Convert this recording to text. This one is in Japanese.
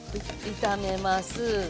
炒めます。